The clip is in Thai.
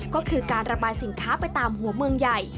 ก็คือการระบายสินค้าไปตามหัวเมืองใหญ่